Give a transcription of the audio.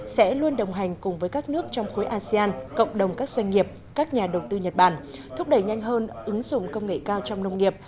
sẽ luôn đồng hành cùng với các nước trong khối asean cộng đồng các doanh nghiệp các nhà đầu tư nhật bản thúc đẩy nhanh hơn ứng dụng công nghệ cao trong nông nghiệp